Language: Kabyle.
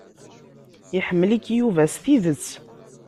Iḥemmel-ik Yuba s tidet.